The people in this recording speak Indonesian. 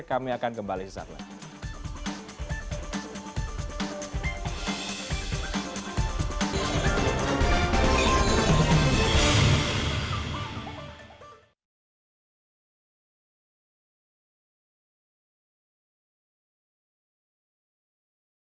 kami akan kembali sesaat lagi